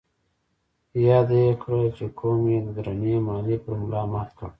ياده يې کړه چې قوم يې درنې ماليې پر ملا مات کړ.